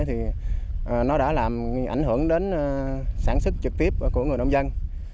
thì nó đã làm ảnh hưởng đến sản xuất trực tiếp của người nông dân